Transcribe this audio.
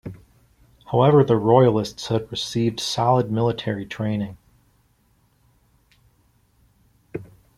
However, the royalists had received solid military training.